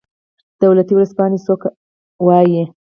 دولتي ورځپاڼې څوک لوالي؟